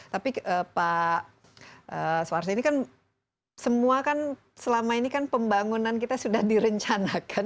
tapi pak suarso ini kan semua kan selama ini kan pembangunan kita sudah direncanakan